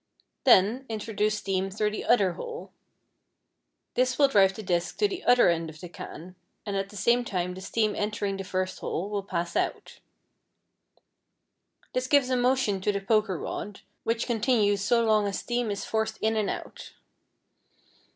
Then, introduce steam through the other hole. This will drive the disc to the other end of the can, and at the same time the steam entering the first hole will pass out. This gives a motion to the poker rod, which continues so long as steam is forced in and out.